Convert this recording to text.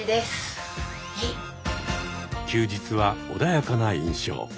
休日は穏やかな印象。